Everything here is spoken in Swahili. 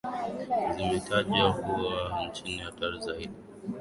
zimetajwa kuwa nchi hatari zaidi